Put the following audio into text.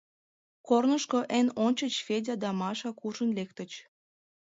Корнышко эн ончыч Федя ден Маша куржын лектыч.